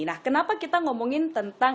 nah kenapa kita ngomongin tentang